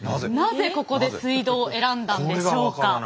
なぜここで水道を選んだんでしょうか？